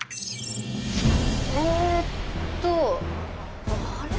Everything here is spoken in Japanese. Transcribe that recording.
えっとあれ？